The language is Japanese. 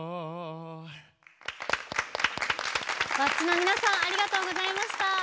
ｗａｃｃｉ の皆さんありがとうございました。